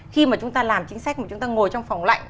khi mà chúng ta làm chính sách mà chúng ta ngồi trong phòng lạnh